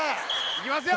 いきますよ！